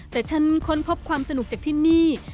แต่ฉันค้นพบความสนุกจากที่นี่